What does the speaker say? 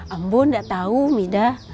ambo gak tau mida